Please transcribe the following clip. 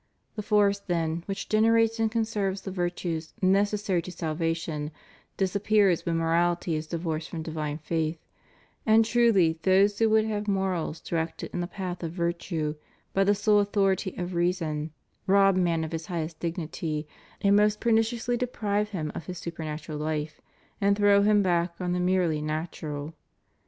The force, then, which generates and conserves the virtues necessary to salvation disappears when morality is divorced from divine faith; and, truly, those who would have morals directed in the path of virtue by the sole authority of reason, rob man of his highest dignity, and most perniciously deprive him of his supernatural life and throw him back on the merely natural.